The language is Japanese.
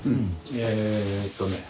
えっとね。